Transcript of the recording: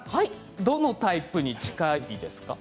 どのタイプに近いですか？